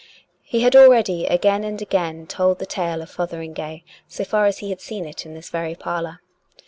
He had already again and again told the tale of Fother ingay so far as he had seen it in this very parlour.